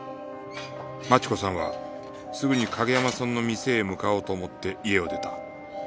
万智子さんはすぐに景山さんの店へ向かおうと思って家を出た。